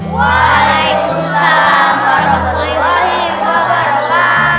waalaikumsalam warahmatullahi wabarakatuh